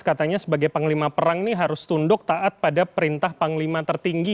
katanya sebagai panglima perang ini harus tunduk taat pada perintah panglima tertinggi